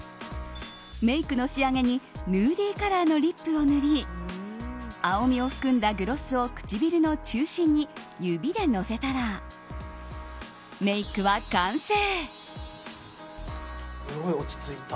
メイクの仕上げにヌーディーカラーのリップを塗り青みを含んだグロスを唇の中心に指でのせたら、メイクは完成。